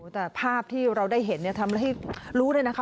แต่ภาพที่เราได้เห็นทำให้รู้เลยนะคะ